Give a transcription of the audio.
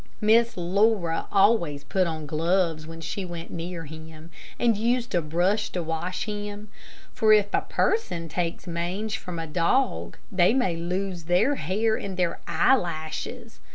Miss Laura always put on gloves when she went near him, and used a brush to wash him, for if a person takes mange from a dog, they may lose their hair and their eyelashes.